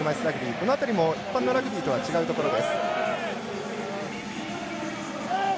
この辺りも一般のラグビーとは違うところです。